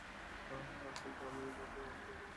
হ্যাঁ, কিন্তু আপনি আর আমি জানি, এটা বিধির বিধান ছিল।